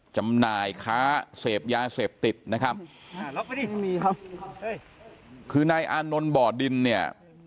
จำหน่ายค้าเสพยาเสพติดนะครับคือนายอานนท์บ่อดินเนี่ย